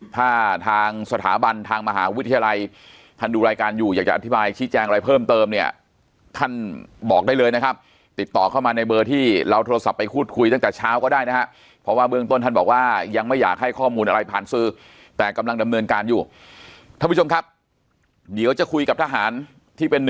ถ้าทางสถาบันทางมหาวิทยาลัยท่านดูรายการอยู่อยากจะอธิบายชี้แจงอะไรเพิ่มเติมเนี่ยท่านบอกได้เลยนะครับติดต่อเข้ามาในเบอร์ที่เราโทรศัพท์ไปพูดคุยตั้งแต่เช้าก็ได้นะฮะเพราะว่าเบื้องต้นท่านบอกว่ายังไม่อยากให้ข้อมูลอะไรผ่านสื่อแต่กำลังดำเนินการอยู่ท่านผู้ชมครับเดี๋ยวจะคุยกับทหารที่เป็น๑